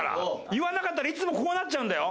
言わなかったらいつもこうなっちゃうんだよ。